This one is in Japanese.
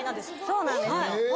そうなんですよ。